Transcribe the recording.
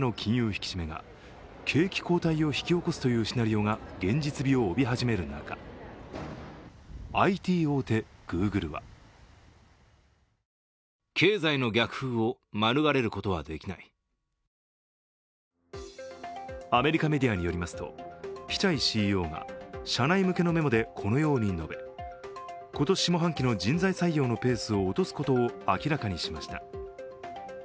引き締めが景気後退を引き起こすというシナリオが現実味を帯び始める中、ＩＴ大手、Ｇｏｏｇｌｅはアメリカメディアによりますと、ピチャイＣＥＯが社内向けのメモでこのように述べ、今年下半期の人材採用のペースを落とすことを明らかにしました。